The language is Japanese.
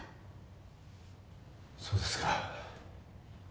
そうですか。